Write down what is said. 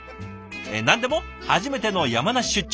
何でも初めての山梨出張。